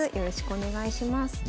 お願いします。